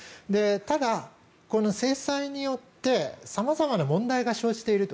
ただ、この制裁によって様々な問題が生じていると。